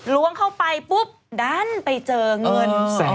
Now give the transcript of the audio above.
ล้วงเข้าไปปุ๊บดันไปเจอเงิน